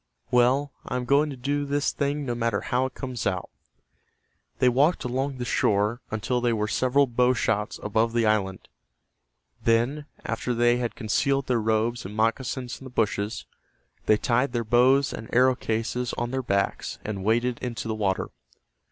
Well, I am going to do this thing no matter how it comes out." They walked along the shore until they were several bow shots above the island. Then, after they had concealed their robes and moccasins in the bushes, they tied their bows and arrow cases on their backs and waded into the water.